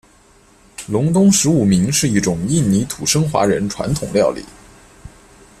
隆东十五暝是一种印尼土生华人传统料理。